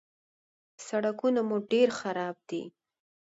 _سړکونه مو ډېر خراب دي.